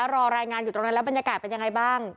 รอรายงานอยู่ตรงนั้นแล้วบรรยากาศเป็นยังไงบ้าง